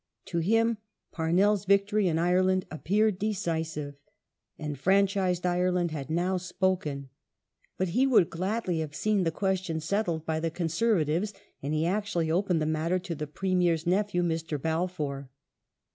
To him Pamell's victory in Ireland appeared decisive ; enfranchised Ireland had now spoken. But he would gladly have seen the question settled by the Con servatives, and he actually opened the matter to the Premier's nephew, Mr. Balfour.